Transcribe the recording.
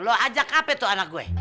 lo ajak apa itu anak gue